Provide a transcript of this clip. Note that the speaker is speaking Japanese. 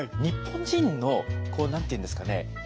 日本人のこう何て言うんですかね